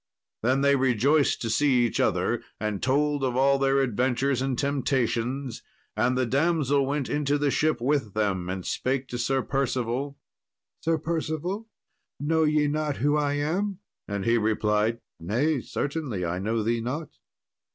Then they rejoiced to see each other, and told of all their adventures and temptations. And the damsel went into the ship with them, and spake to Sir Percival: "Sir Percival, know ye not who I am?" And he replied, "Nay, certainly, I know thee not."